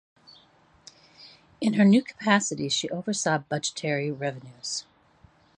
In her new capacity she oversaw budgetary revenues.